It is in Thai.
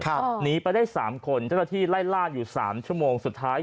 หนีไปได้๓คนจากที่ไล่ล่านอยู่๓ชั่วโมงสุดท้าย